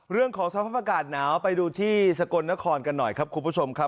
เรื่องของสภาพอากาศหนาวไปดูที่สกลนครกันหน่อยครับคุณผู้ชมครับ